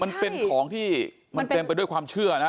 มันเป็นของที่มันเต็มไปด้วยความเชื่อนะ